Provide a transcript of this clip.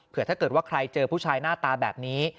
เพื่อถ้าเกิดว่าใครเจอผู้ชายหน้าตาแบบนี้